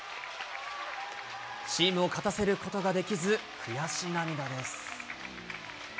チームを勝たせることができず、悔し涙です。